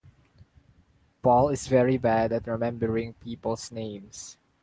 Paul is very bad at remembering people's names.